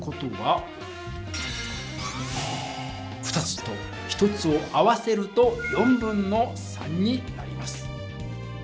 ２つと１つを合わせると3/4になります。